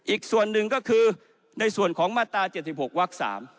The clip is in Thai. อีกส่วนหนึ่งก็คือในส่วนของมาตรา๗๖วัก๓